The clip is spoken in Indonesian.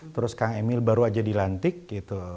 terus kang emil baru aja dilantik gitu